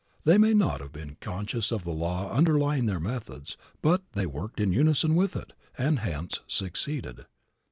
They may not have been conscious of the law underlying their methods, but they worked in unison with it, and hence succeeded.